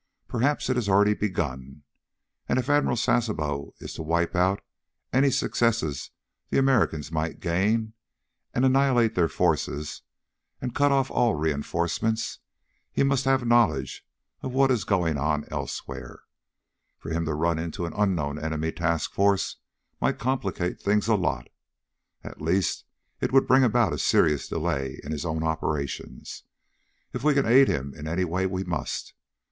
Perhaps it has already begun. If Admiral Sasebo is to wipe out any successes the Americans might gain, and annihilate their forces, and cut off all reenforcements, he must have knowledge of what is going on elsewhere. For him to run into an unknown enemy task force might complicate things a lot. At least it would bring about a serious delay in his own operations. If we can aid him in any way, we must.